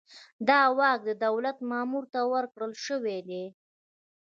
دا واک د دولت مامور ته ورکړل شوی دی.